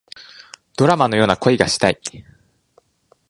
ドラマのような恋がしたい